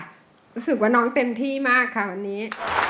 รู้สึกว่าน้องเต็มที่มากค่ะวันนี้